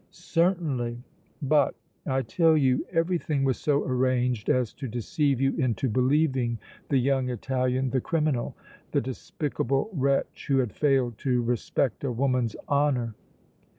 "Certainly; but, I tell you, everything was so arranged as to deceive you into believing the young Italian the criminal, the despicable wretch who had failed to respect a woman's honor!"